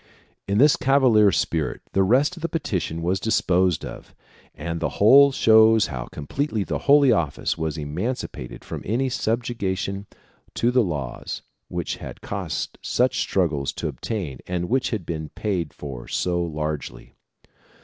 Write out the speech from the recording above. In this cavalier spirit the rest of the petition was disposed of, and the whole shows how completely the Holy Office was emancipated from any subjection to the laws which had cost such struggles to obtain and which had been paid for so largely.